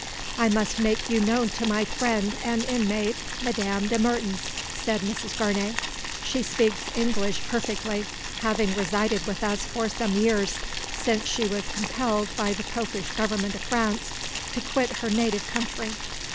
"I must make you known to my friend and inmate Madame de Mertens," said Mrs Gournay. "She speaks English perfectly, having resided with us for some years, since she was compelled by the Popish Government of France to quit her native country."